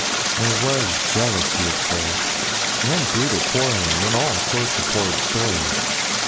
There was jealousy, of course, and brutal quarrelling, and all sorts of horrid stories.